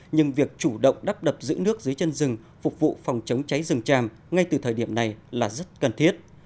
nhưng việc chủ động đắp đập giữ nước dưới chân rừng phục vụ phòng chống cháy rừng tràm ngay từ thời điểm này là rất cần thiết